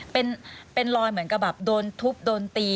เป็นรอยเหมือนกับแบบโดนทุบโดนตี